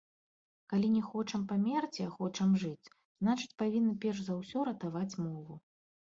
Калі не хочам памерці, а хочам жыць, значыць, павінны перш за ўсё ратаваць мову.